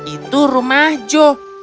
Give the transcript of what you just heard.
itu rumah joe